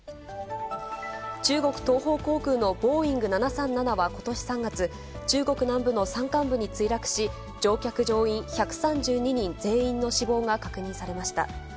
中国東方航空のボーイング７３７はことし３月、中国南部の山間部に墜落し、乗客・乗員１３２人全員の死亡が確認されました。